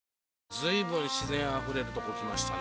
随分自然あふれるとこ来ましたね。